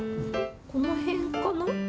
この辺かな？